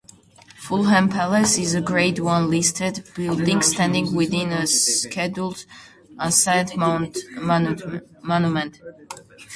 Fulham Palace is a Grade One listed building standing within a Scheduled Ancient Monument.